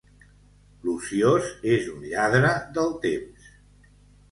L'ociós és un lladre del temps.